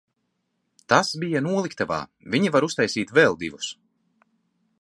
Tas bija noliktavā, viņi var uztaisīt vēl divus.